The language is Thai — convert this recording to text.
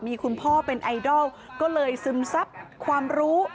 มีคุณพ่อเป็นไอดอลก็เลยซึมซับความรู้